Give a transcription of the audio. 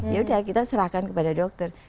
yaudah kita serahkan kepada dokter